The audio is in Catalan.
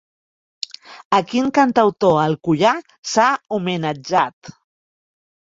A quin cantautor alcoià s'ha homenatjat?